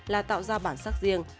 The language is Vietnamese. là tạo ra bản sắc riêng